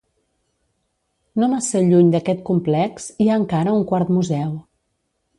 No massa lluny d'aquest complex, hi ha encara un quart museu.